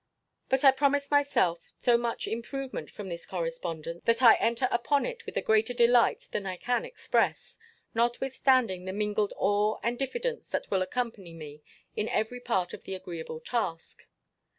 But I promise myself so much improvement from this correspondence, that I enter upon it with a greater delight than I can express, notwithstanding the mingled awe and diffidence that will accompany me, in every part of the agreeable task.